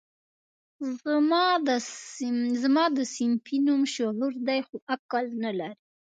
زما ده صنفي نوم شعور دی خو عقل نه لري